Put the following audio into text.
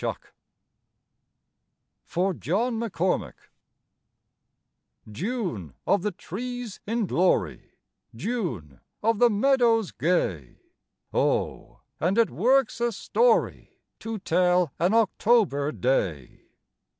A SONG (For John McCormack) June of the trees in glory, June of the meadows gay! O, and it works a story To tell an October day.